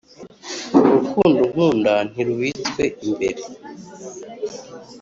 urukundo unkunda, ntirubitswe imbere,